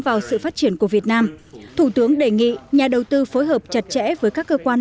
vào sự phát triển của việt nam thủ tướng đề nghị nhà đầu tư phối hợp chặt chẽ với các cơ quan